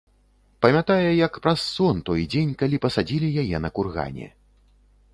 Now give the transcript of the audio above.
Памятае, як праз сон, той дзень, калі пасадзілі яе на кургане.